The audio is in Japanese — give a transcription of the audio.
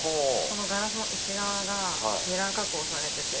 このガラスの内側がミラー加工されてて。